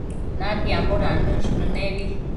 natiambo dannësh nënebi